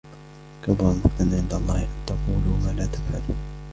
كبر مقتا عند الله أن تقولوا ما لا تفعلون